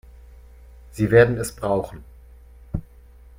Sie werden es brauchen.